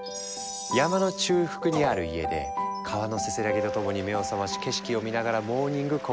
山の中腹にある家で川のせせらぎとともに目を覚まし景色を見ながらモーニングコーヒー。